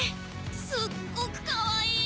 すっごくかわいい。